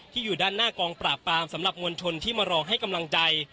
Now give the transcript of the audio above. อยู่ด้านหน้ากองปราบปรามสำหรับมวลชนที่มารอให้กำลังใจ